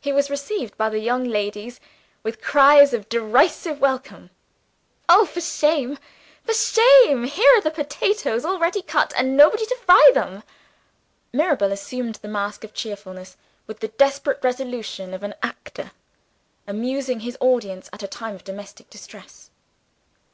He was received by the young ladies with cries of derisive welcome. "Oh, for shame! for shame! here are the potatoes already cut, and nobody to fry them!" Mirabel assumed the mask of cheerfulness with the desperate resolution of an actor, amusing his audience at a time of domestic distress.